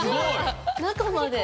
中まで。